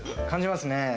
感じますね。